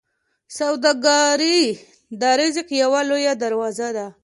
سوداګري د رزق یوه لویه دروازه ده.